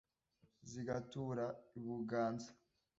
Zigatura i Buganza :